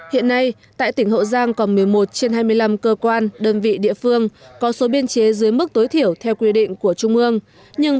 hiện nay tại tỉnh hậu giang còn một mươi một trên hai mươi năm cơ quan đơn vị địa phương có số biên chế dưới mức tối thiểu theo quy định của trung ương